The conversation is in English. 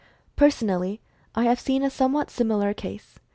Personally, I have seen a somewhat similar case.